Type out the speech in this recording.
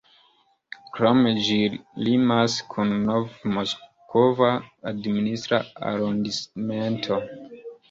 Krome, ĝi limas kun Nov-Moskva administra arondismento.